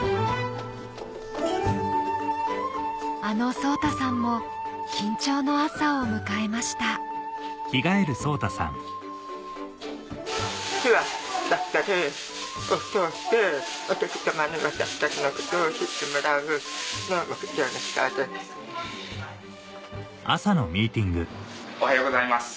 あの奏汰さんも緊張の朝を迎えましたおはようございます。